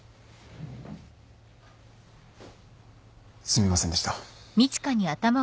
すみませんでした。